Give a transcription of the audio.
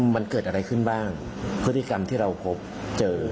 มันเกิดอะไรขึ้นบ้างพฤติกรรมที่เราพบเจอ